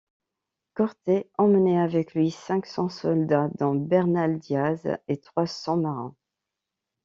Cortés emmenait avec lui cinq cents soldats, dont Bernal Díaz, et trois cents marins.